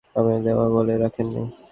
আপনি আপনার দেওয়া কথা রাখেননি!